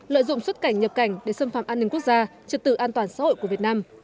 lợi dụng xuất cảnh nhập cảnh để xâm phạm an ninh quốc gia trật tự an toàn xã hội của việt nam